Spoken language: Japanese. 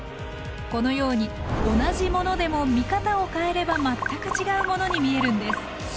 このように同じものでも見方を変えれば全く違うものに見えるんです。